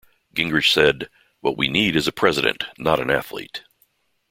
Gingrich said: What we need is a president, not an athlete.